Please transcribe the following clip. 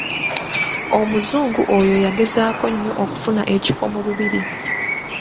Omuzungu oyo yagezaako nnyo okufuna ekifo mu Lubiri.